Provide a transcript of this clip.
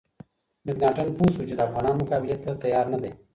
مکناتن پوه شو چې د افغانانو مقابلې ته تیار نه دی.